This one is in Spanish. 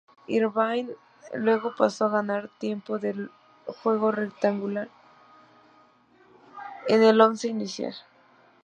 Irvine luego pasó a ganar tiempo de juego regular en el once inicial.